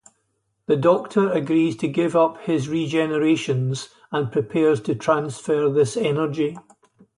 The Doctor agrees to give up his regenerations and prepares to transfer this energy.